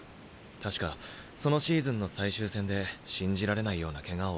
確かそのシーズンの最終戦で信じられないようなケガを負ったんだ。